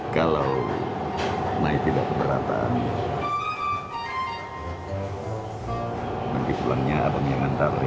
kalau naik tidak keberatan nanti pulangnya abang yang ngantar ya